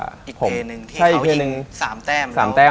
อเจมส์อีกเตยนึงที่เขาหิง๓แต้ม